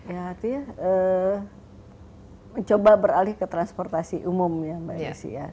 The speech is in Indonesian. ya itu ya mencoba beralih ke transportasi umum ya mbak isi ya